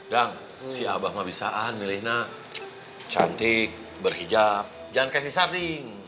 dang si abah mah bisaan milih nah cantik berhijab jangan kasih sarding